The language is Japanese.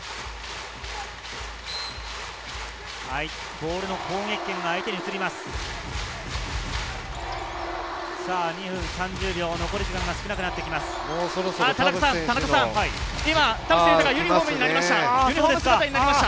ボールの攻撃権が相手に移ります。